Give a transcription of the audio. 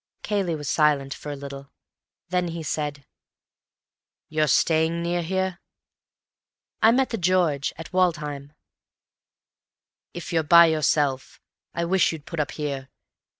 Cayley was silent for a little. Then he said, "You're staying near here?" "I'm at 'The George,' at Woodham." "If you're by yourself, I wish you'd put up here.